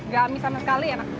gami sama sekali enak